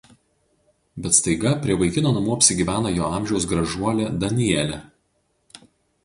Bet staiga prie vaikino namų apsigyvena jo amžiaus gražuolė Danielė.